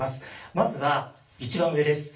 まずは一番上です。